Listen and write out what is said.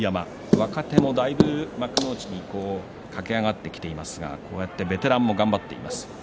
若手もだいぶ幕内に駆け上がってきていますがこうやってベテランも頑張っています。